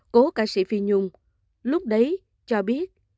cố ca sĩ phi nhung lúc đấy cho biết